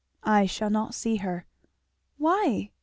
"I shall not see her." "Why?